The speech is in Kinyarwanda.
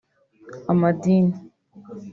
amadini